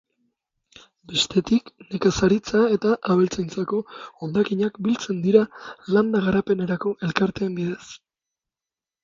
Bestetik nekazaritza eta abeltzaintzako hondakinak biltzen dira landa garapenerako elkarteen bidez.